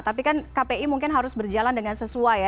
tapi kan kpi mungkin harus berjalan dengan sesuai ya